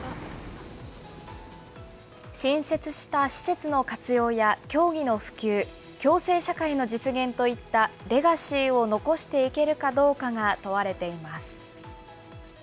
新設した施設の活用や競技の普及、共生社会の実現といったレガシーを残していけるかどうかが問われています。